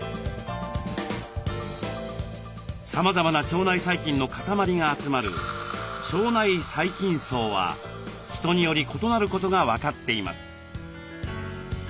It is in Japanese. さまざまな腸内細菌の固まりが集まる「腸内細菌叢」は人により異なることが分かっています。